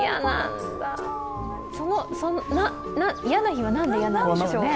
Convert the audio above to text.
嫌な日は何で嫌なんでしょうね。